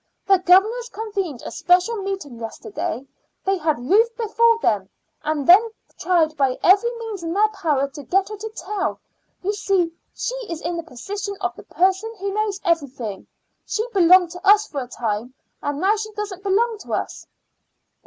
The governors convened a special meeting yesterday; they had Ruth before them, and then tried by every means in their power to get her to tell. You see, she is in the position of the person who knows everything. She belonged to us for a time, and now she doesn't belong to us."